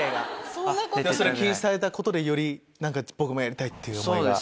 禁止されたことでより「僕もやりたい」って思いが。